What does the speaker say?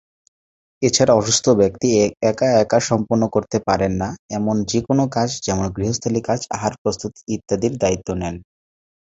এছাড়া অসুস্থ ব্যক্তি একা একা সম্পন্ন করতে পারেন না, এমন যেকোনও কাজ যেমন গৃহস্থালি কাজ, আহার প্রস্তুতি, ইত্যাদির দায়িত্ব নেন।